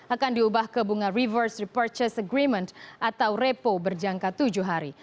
akan diubah ke bunga reverse repurchase agreement atau repo berjangka tujuh hari